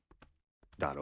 だろ。